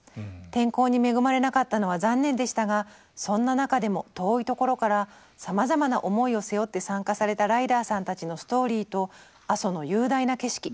天候に恵まれなかったのは残念でしたがそんな中でも遠いところからさまざまな思いを背負って参加されたライダーさんたちのストーリーと阿蘇の雄大な景色